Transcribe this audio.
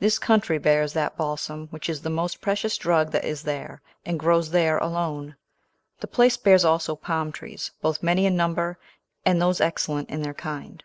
This country bears that balsam, which is the most precious drug that is there, and grows there alone. The place bears also palm trees, both many in number, and those excellent in their kind.